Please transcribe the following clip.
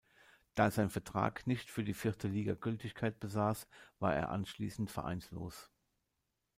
Da sein Vertrag nicht für die vierte Liga Gültigkeit besaß, war er anschließend vereinslos.